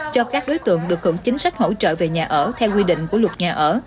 cho các đối tượng được hưởng chính sách hỗ trợ về nhà ở theo quy định của luật nhà ở